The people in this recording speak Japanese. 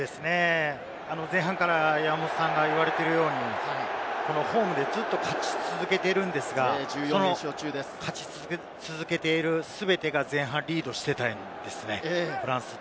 前半から山本さんが言われているように、ホームでずっと勝ち続けているんですが、勝ち続けている全てが前半リードしていいたんですね、フランス。